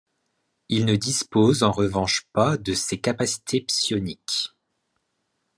Il ne dispose en revanche pas de ses capacités psioniques.